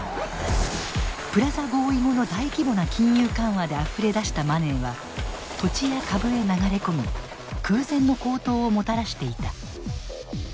プラザ合意後の大規模な金融緩和であふれ出したマネーは土地や株へ流れ込み空前の高騰をもたらしていた。